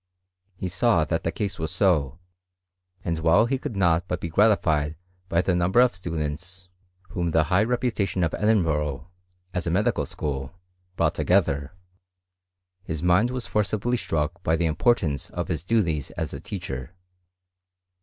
He saw that the case was so, and while he could not but be gratified by the nimiber of students whom the high 326 HISTORY OT CHEHISTar reputation of Edinburgh, as a medical school, brougH^ together, his mind was forcibly struck by the impor tance of his duties as a teacher.